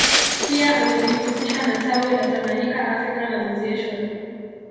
Pia amejihusisha na tawi la Tanganyika African Association